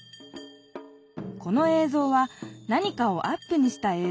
このえいぞうは何かをアップにしたえい